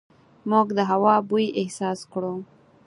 موږ د هوا بوی احساس کړو.